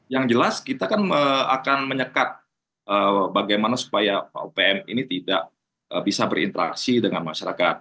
yang jelas kita kan akan menyekat bagaimana supaya upm ini tidak bisa berinteraksi dengan masyarakat